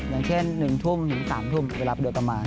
อย่างเช่น๑ทุ่มถึง๓ทุ่มเวลาไปเดี๋ยวต่อมา